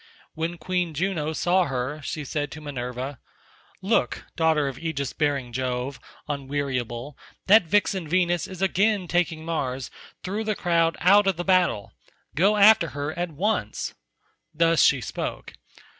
When Queen Juno saw her, she said to Minerva, "Look, daughter of aegis bearing Jove, unweariable, that vixen Venus is again taking Mars through the crowd out of the battle; go after her at once." Thus she spoke.